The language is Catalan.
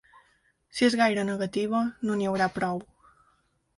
Si és gaire negativa, no n’hi haurà prou.